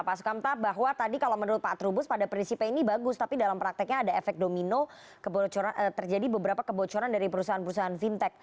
pak sukamta bahwa tadi kalau menurut pak trubus pada prinsipnya ini bagus tapi dalam prakteknya ada efek domino terjadi beberapa kebocoran dari perusahaan perusahaan fintech